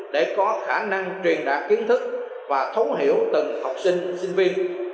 để có khả năng truyền đạt kiến thức và thấu hiểu từng học sinh sinh viên